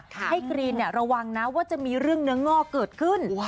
ให้กรีนระวังนะว่าจะมีเรื่องเนื้องอกเกิดขึ้น